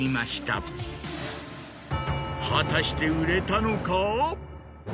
果たして売れたのか？